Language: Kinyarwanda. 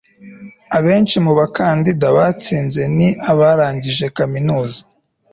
abenshi mu bakandida batsinze ni abarangije kaminuza